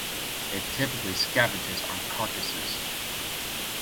It typically scavenges on carcasses.